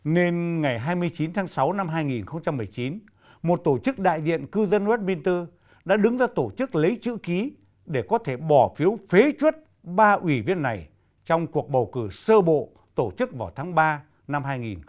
nên ngày hai mươi chín tháng sáu năm hai nghìn một mươi chín một tổ chức đại diện cư dân westminster đã đứng ra tổ chức lấy chữ ký để có thể bỏ phiếu phế chuất ba ủy viên này trong cuộc bầu cử sơ bộ tổ chức vào tháng ba năm hai nghìn hai mươi